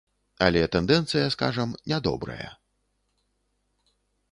Але тэндэнцыя, скажам, не добрая.